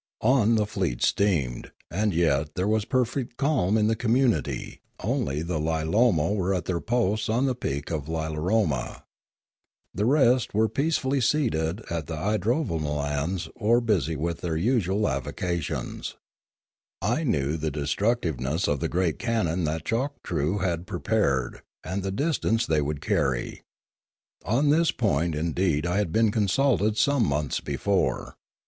On the fleet steamed, and yet there was perfect calm in the community; only the Lilamo were at their posts on the peak of Lilaroma. The rest were peacefully seated at the idrovamolans or busy with their usual avocations. I knew the destine tiveness of the great cannon that Choktroo had pre pared, and the distance they would carry. On this point indeed I had been consulted some months before.